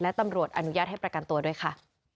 และตำรวจอนุญาตให้ประกันตัวด้วยค่ะ